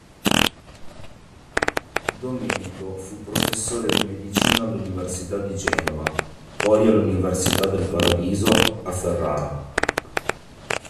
Domenico fu professore di medicina all'Università di Genova, poi all'Università del Paradiso, a Ferrara.